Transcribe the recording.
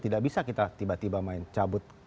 tidak bisa kita tiba tiba main cabut